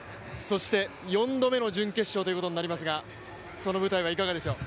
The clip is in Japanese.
４度目の準決勝ということになりますが、その舞台はいかがでしょう。